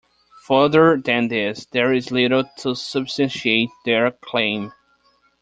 Further than this there is little to substantiate their claim.